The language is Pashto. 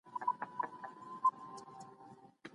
ستونزي د حل کېدو لپاره پیدا کیږي.